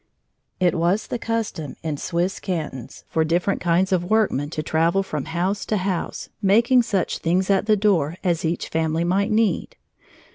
It was the custom in Swiss cantons for different kinds of workmen to travel from house to house, making such things at the door as each family might need.